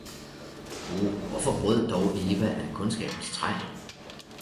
Oh, hvorfor brød dog Eva af Kundskabens træ!